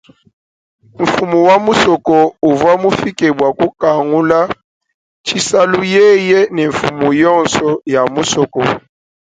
Mfumu wa musoko uvwa mufike bwa kukangula tshisalu yeye ne mfumu yonso ya musoko.